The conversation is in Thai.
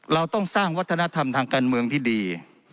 เราต้องสร้างวัฒนธรรมทางการเมืองที่ดี